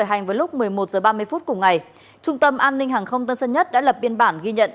một mươi một h ba mươi phút cùng ngày trung tâm an ninh hàng không tân sân nhất đã lập biên bản ghi nhận